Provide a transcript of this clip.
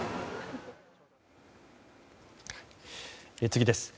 次です。